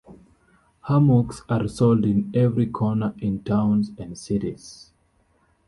Hammocks are sold in every corner in towns and cities.